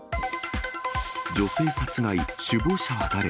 女性殺害、首謀者は誰？